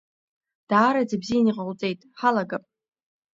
Даараӡа ибзианы иҟауҵеит, ҳалагап!